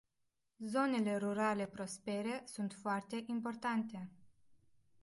Zonele rurale prospere sunt foarte importante.